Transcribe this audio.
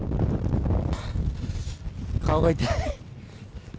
顔が痛い。